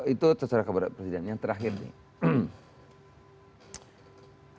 itu terserah kepada presiden yang terakhir nih